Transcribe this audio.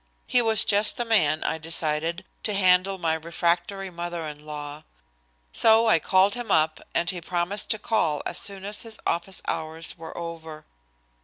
He was just the man, I decided, to handle my refractory mother in law. So I called him up and he promised to call as soon as his office hours were over.